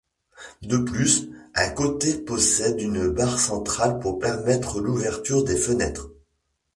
De plus, un côté possède une barre centrale pour permettre l'ouverture des fenêtres.